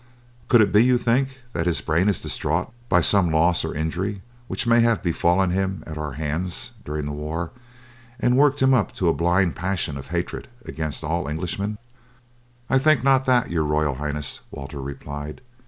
Could it be, think you, that his brain is distraught by some loss or injury which may have befallen him at our hands during the war and worked him up to a blind passion of hatred against all Englishmen?" "I think not that, your Royal Highness," Walter replied.